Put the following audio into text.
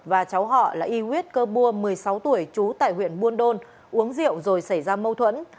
và cháu họ là y wit cơ bua một mươi sáu tuổi trú tại huyện buôn đôn uống rượu rồi xảy ra mâu thuẫn